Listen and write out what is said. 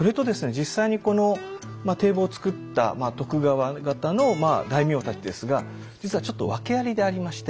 実際にこの堤防を造った徳川方の大名たちですが実はちょっと訳ありでありまして。